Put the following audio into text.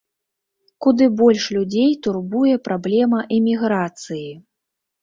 Куды больш людзей турбуе праблема эміграцыі.